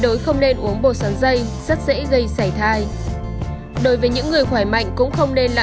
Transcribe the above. đối không nên uống bộ sáng dây rất dễ gây sảy thai đối với những người khỏe mạnh cũng không nên là